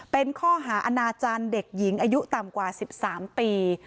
เป็นข้อหาอาณาจารย์เด็กหญิงอายุต่ำกว่า๑๓ปี